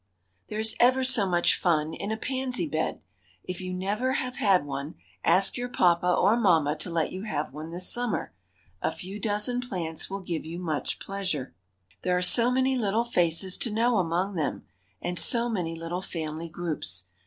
There is ever so much fun in a pansy bed. If you have never had one, ask your papa or mamma to let you have one this summer. A few dozen plants will give you much pleasure. There are so many little faces to know among them, and so many little family groups.